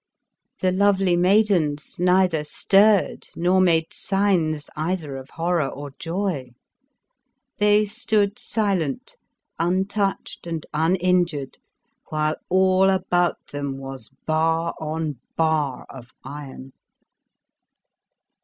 The lovely maidens neither stirred nor made signs either of horror or joy; they stood silent, untouched and unin jured, while all about them was bar on bar of iron.